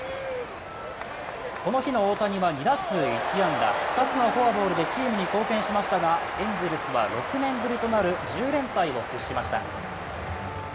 この日の大谷は２打数１安打、２つのフォアボールでチームに貢献しましたがエンゼルスは６年ぶりとなる１０連敗を喫しました。